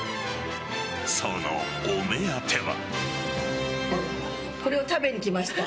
そのお目当ては。